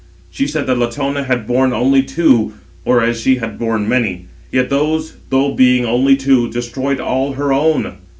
She said that [Latona] had borne [only] two, whereas she had borne many; yet those, though being only two, destroyed all [her own].